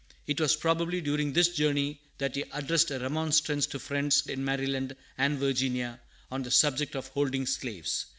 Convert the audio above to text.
It was probably during this journey that he addressed a remonstrance to friends in Maryland and Virginia on the subject of holding slaves.